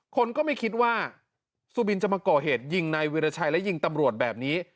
คนก็ไม่คิดว่าสุบินจะมาก่อเหตุยิงในวิราชัยและยิงตำรวจแบบนี้